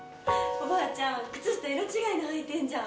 おばあちゃん、靴下色違いの履いてんじゃん！